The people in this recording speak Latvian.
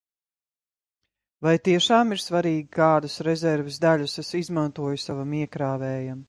Vai tiešām ir svarīgi, kādas rezerves daļas es izmantoju savam iekrāvējam?